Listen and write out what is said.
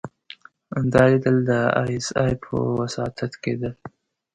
دا ليدل د ای اس ای په وساطت کېدل.